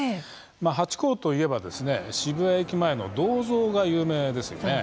ハチ公といえば渋谷駅前の銅像が有名ですよね。